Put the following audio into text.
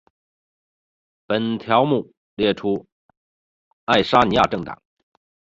本条目列出爱沙尼亚政党。